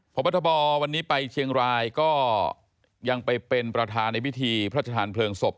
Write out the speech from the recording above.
พบทบวันนี้ไปเชียงรายก็ยังไปเป็นประธานในพิธีพระชธานเพลิงศพ